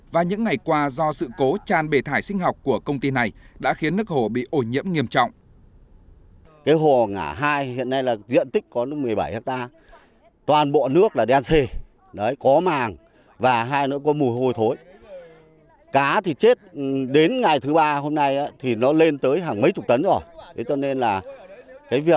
và những ngày qua do sự cố tràn bề thải sinh học của công ty này đã khiến nước hồ bị ô nhiễm nghiêm trọng